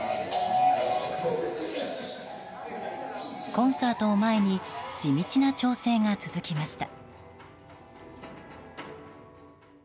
コンサートを前に地道な調整が続きました。